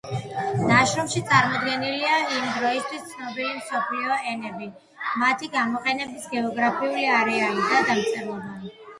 ნაშრომში წარმოდგენილია იმ დროისთვის ცნობილი მსოფლიო ენები, მათი გამოყენების გეოგრაფიული არეალი და დამწერლობა.